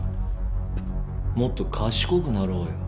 もっと賢くなろうよ。